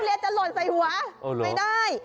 ทุเรียนจะหล่นไปหัวไม่ได้